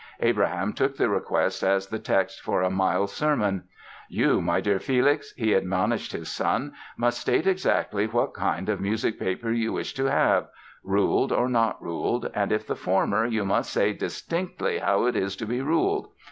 Abraham took the request as the text for a mild sermon: "You, my dear Felix", he admonished his son, "must state exactly what kind of music paper you wish to have—ruled or not ruled; and if the former you must say distinctly how it is to be ruled.